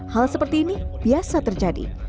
hal seperti ini biasa terjadi